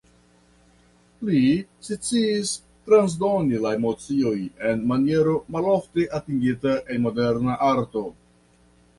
Li sciis transdoni la emocioj en maniero malofte atingita en moderna arto.